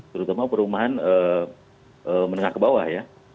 terutama perumahan menengah ke bawah ya